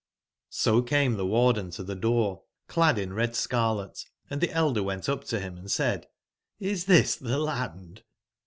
RO came the (Harden to the door, clad in red jj scarlet, & the elderwcnt up to him and said : ^as this the Land?"